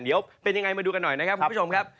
เดี๋ยวเป็นยังไงมาดูกันหน่อยนะครับคุณผู้ชมครับ